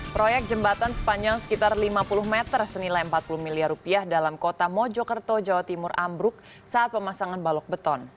proyek jembatan sepanjang sekitar lima puluh meter senilai empat puluh miliar rupiah dalam kota mojokerto jawa timur ambruk saat pemasangan balok beton